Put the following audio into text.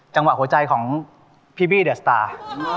จังหวะหัวใจของพี่บี้เดอะสตาร์